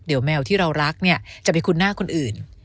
เดี๋ยวแมวที่เรารักเนี่ยจะไปคุ้นหน้าคนอื่น